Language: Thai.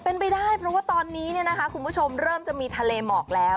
เป็นไปได้เพราะว่าตอนนี้คุณผู้ชมเริ่มจะมีทะเลหมอกแล้ว